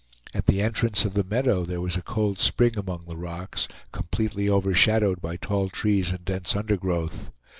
At the entrance of the meadow there was a cold spring among the rocks, completely overshadowed by tall trees and dense undergrowth.